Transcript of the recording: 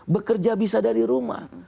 bekerja bisa dari rumah